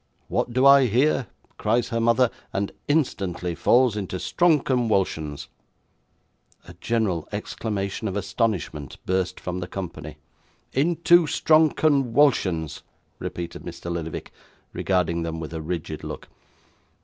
"What do I hear?" cries her mother; and instantly falls into strong conwulsions.' A general exclamation of astonishment burst from the company. 'Into strong conwulsions,' repeated Mr. Lillyvick, regarding them with a rigid look.